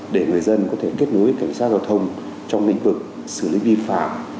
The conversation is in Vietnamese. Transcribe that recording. để người dân có thể kết nối cảnh sát giao thông trong lĩnh vực xử lý vi phạm